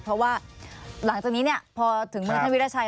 เพราะว่าหลังจากนี้พอถึงมือท่านวิราชัย